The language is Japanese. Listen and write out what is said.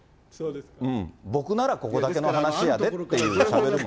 僕ならここだけの話やでってしゃべりも。